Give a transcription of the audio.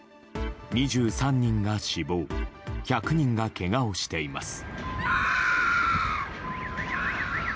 ２３人が死亡１００人がけがをしています。